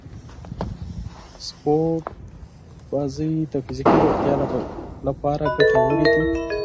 د سپورټ لوبې د فزیکي روغتیا لپاره ګټورې دي.